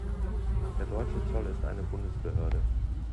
Der deutsche Zoll ist eine Bundesbehörde.